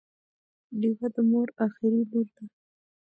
ډیوه د مور اخري لور ده